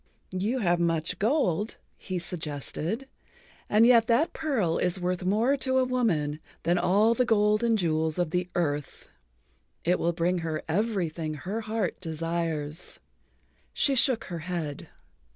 "You have much gold," he suggested, "and yet that pearl is worth more to a woman than all the gold and jewels of the earth. It will bring her everything her heart desires." She shook her head.